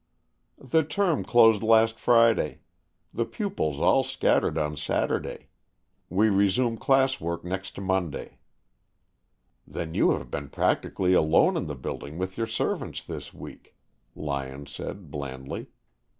"The term closed last Friday. The pupils all scattered on Saturday. We resume class work next Monday." "Then you have been practically alone in the building with your servants this week," Lyon said blandly.